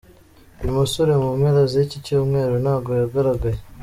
Uyu musore mu mpera ziki cyumweru ntago yagaragaye.